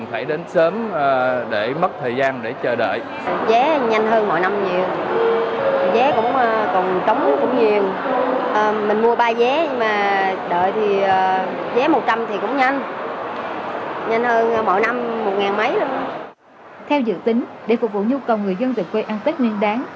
theo dự tính để phục vụ nhu cầu người dân về quê ăn tết nguyên đáng